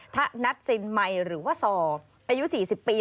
ถ้านัดสินใหม่หรือว่าศอายุ๔๐ปี